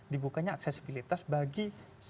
dibukanya aksesibilitas bagi